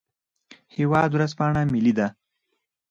هیواد ورځپاڼه ملي ده